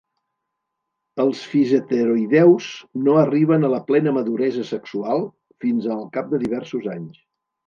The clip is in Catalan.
Els fiseteroïdeus no arriben a la plena maduresa sexual fins al cap de diversos anys.